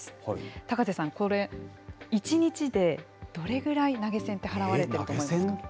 高瀬さん、これ、１日でどれぐらい投げ銭って払われてると思いまえー、投げ銭。